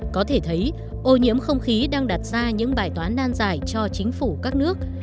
có thể thấy ô nhiễm không khí đang đặt ra những bài toán nan giải cho chính phủ các nước